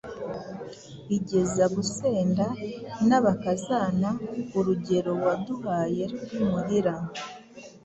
Igeza gusenda n'abakazana Urugero waduhaye rw'imuhira